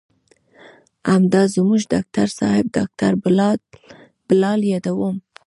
همدا زموږ ډاکتر صاحب ډاکتر بلال يادوم.